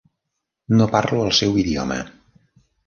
No parlo el seu idioma.